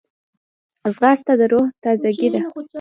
ځغاسته د روح تازګي ده